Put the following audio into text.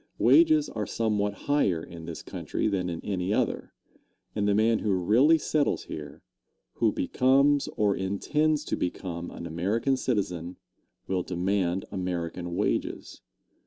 Wages are somewhat higher in this country than in any other, and the man who really settles here, who becomes, or intends to become an American citizen, will demand American wages.